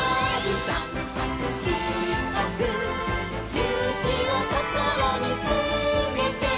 「ゆうきをこころにつめて」